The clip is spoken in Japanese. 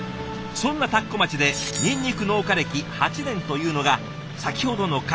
そんな田子町でニンニク農家歴８年というのが先ほどの彼